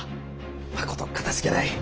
まことかたじけない。